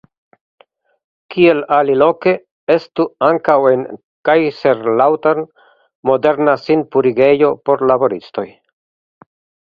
Kiel aliloke estu ankaŭ en Kaiserslautern moderna sinpurigejo por laboristoj.